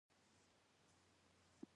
دوبی هم لکه ژمی اوږد دی .